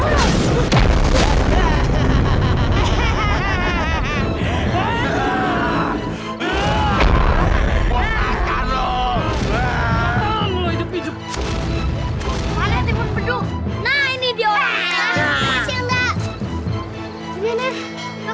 iya kak kita tolong dia aja ya